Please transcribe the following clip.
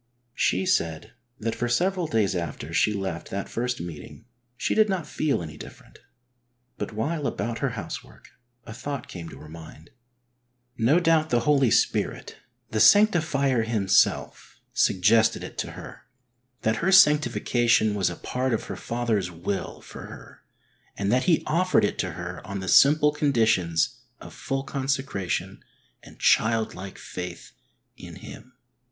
She said that for several days after she left that first meeting she did not feel any different, but while about her housework a thought came to her mind. No doubt the Holy Spirit, the Sanctifier Himself, suggested it to her, that her sanctification was a part of her Father's will for her and that He offered it to her on the simple conditions of full consecration and childlike faith in Him.